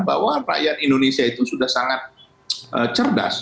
bahwa rakyat indonesia itu sudah sangat cerdas